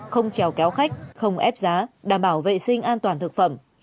không trèo kéo khách không ép giá đảm bảo vệ sinh an toàn thực phẩm